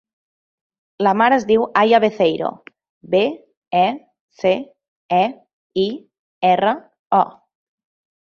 La meva mare es diu Aya Beceiro: be, e, ce, e, i, erra, o.